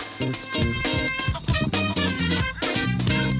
สุดยอด